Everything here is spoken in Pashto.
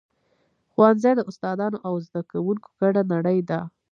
ښوونځی د استادانو او زده کوونکو ګډه نړۍ ده.